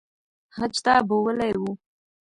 حج ته بوولي وو